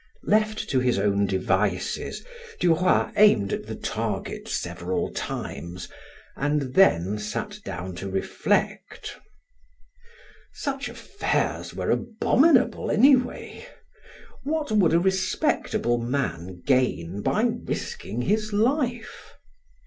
Left to his own devices, Duroy aimed at the target several times and then sat down to reflect. Such affairs were abominable anyway! What would a respectable man gain by risking his life?